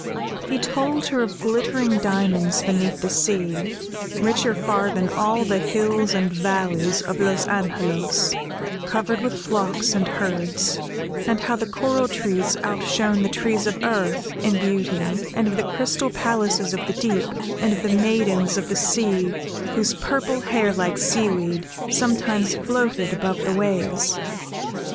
He told her of glittering diamonds beneath the sea, richer far than all the hills and valleys of Los Angelos, covered with flocks and herds; and how the coral trees outshone the trees of earth, in beauty, and of the crystal palaces of the deep, and of the maidens of the sea, whose, purple hair like sea weed, sometimes floated above the waves.